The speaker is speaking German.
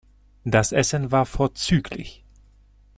Das Essen war vorzüglich.